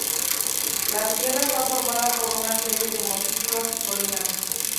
La sierra está formada por una serie de montículos y colinas.